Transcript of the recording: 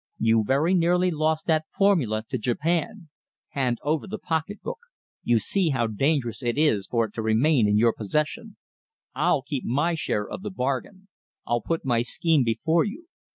You very nearly lost that formula to Japan. Hand over the pocketbook. You see how dangerous it is for it to remain in your possession. I'll keep my share of the bargain. I'll put my scheme before you.